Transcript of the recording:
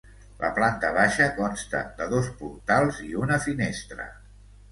La planta baixa consta de dos portals i una finestra.